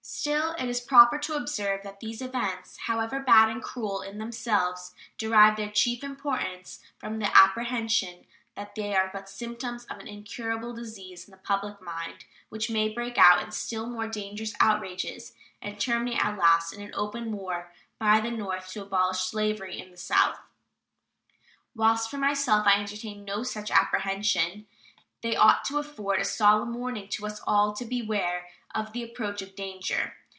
Still, it is proper to observe that these events, however bad and cruel in themselves, derive their chief importance from the apprehension that they are but symptoms of an incurable disease in the public mind, which may break out in still more dangerous outrages and terminate at last in an open war by the North to abolish slavery in the South. Whilst for myself I entertain no such apprehension, they ought to afford a solemn warning to us all to beware of the approach of danger.